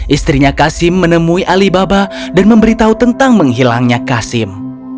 istrinya kasim menemui alibaba dan memberitahu tentang menghilangnya kasim